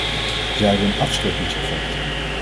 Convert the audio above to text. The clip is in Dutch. Zij hebben een afschrikkingseffect.